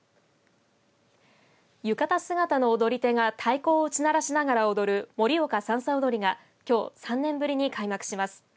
浴衣姿の踊り手が太鼓を打ち鳴らしながら踊る盛岡さんさ踊りがきょう３年ぶりに開幕します。